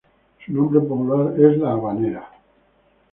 Su nombre popular es la Habanera.